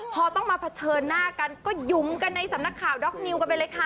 พอต้องมาเผชิญหน้ากันก็หยุมกันในสำนักข่าวด็อกนิวกันไปเลยค่ะ